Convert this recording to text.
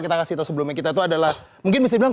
kita kasih tahu sebelumnya kita tuh adalah mungkin bisa dibilang